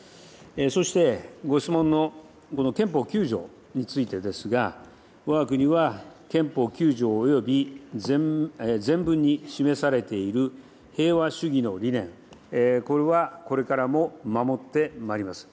そして、ご質問の憲法９条についてですが、わが国は憲法９条および前文に示されている平和主義の理念、これはこれからも守ってまいります。